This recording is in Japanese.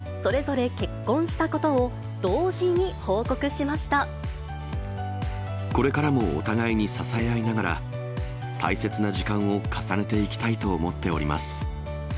きのう、俳優の新田真剣佑さんと眞栄田郷敦さんがそれぞれ結婚したことをこれからもお互いに支え合いながら、大切な時間を重ねていきたいと思っております。